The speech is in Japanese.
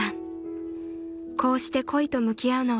［こうして恋と向き合うのは初めて］